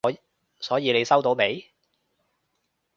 所以你收到未？